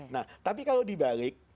nah tapi kalau dibalik